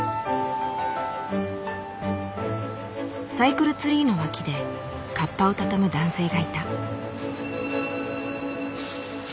サイクルツリーの脇でカッパをたたむ男性がいた。